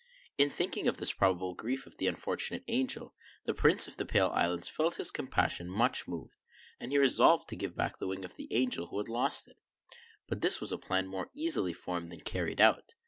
In thinking of this probable grief of the unfortunate angel, the Prince of the Pale Islands felt his compassion much moved ; and he resolved to give back the wing to the angel who had lost it. But this was a plan more easily formed than carried out.